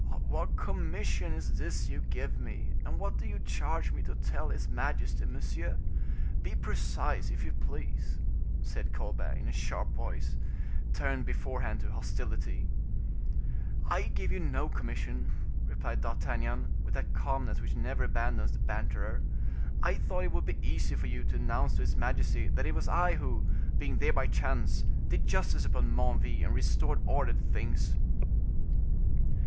"What commission is this you give me, and what do you charge me to tell his majesty, monsieur? Be precise, if you please," said Colbert, in a sharp voice, tuned beforehand to hostility. "I give you no commission," replied D'Artagnan, with that calmness which never abandons the banterer; "I thought it would be easy for you to announce to his majesty that it was I who, being there by chance, did justice upon Menneville and restored order to things."